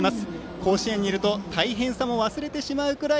甲子園にいると大変さも忘れてしまうぐらい